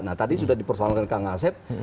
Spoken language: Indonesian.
nah tadi sudah dipersoalkan kang asep